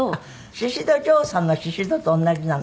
宍戸錠さんの「宍戸」と同じなの？